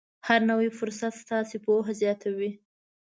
هر نوی فرصت ستاسې پوهه زیاتوي.